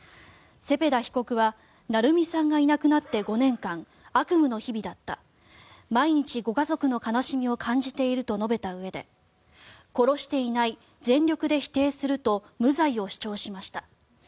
セペダ被告は愛海さんがいなくなって５年間悪夢の日々だった毎日ご家族の悲しみを感じていると述べたうえで殺していない、全力で否定すると無罪を主張しました。